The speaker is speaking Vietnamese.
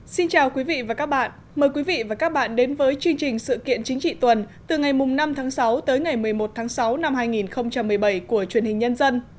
xin chào quý vị và các bạn mời quý vị và các bạn đến với chương trình sự kiện chính trị tuần từ ngày năm tháng sáu tới ngày một mươi một tháng sáu năm hai nghìn một mươi bảy của truyền hình nhân dân